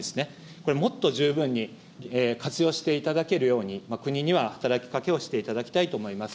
これ、もっと十分に活用していただけるように、国には働きかけをしていただきたいと思います。